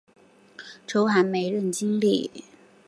周寒梅任经理。